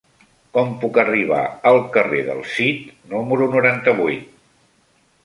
Com puc arribar al carrer del Cid número noranta-vuit?